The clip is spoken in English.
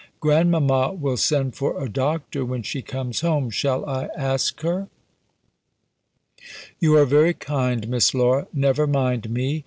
Grandmama will send for a doctor when she comes home. Shall I ask her?" "You are very kind, Miss Laura! never mind me!